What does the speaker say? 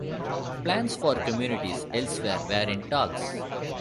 Plans for communities elsewhere were in talks.